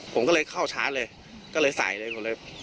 ผมก็เลยเข้าชาร์จเลยก็เลยใส่เลยผมเลย